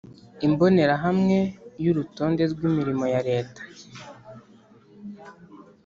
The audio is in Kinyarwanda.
imbonerahamwe y’urutonde rw’imirimo ya reta